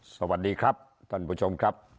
สวัสดีครับท่านผู้ชมครับ